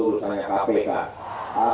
lulusan seratus ribu enggak apa